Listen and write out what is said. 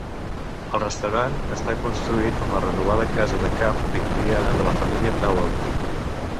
El restaurant està construït en la renovada casa de camp victoriana de la família Towle.